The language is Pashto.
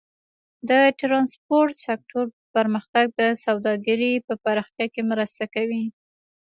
د ټرانسپورټ سکتور پرمختګ د سوداګرۍ په پراختیا کې مرسته کوي.